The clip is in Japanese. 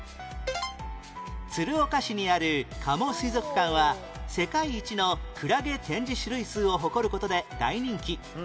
鶴岡市にある加茂水族館は世界一のクラゲ展示種類数を誇る事で大人気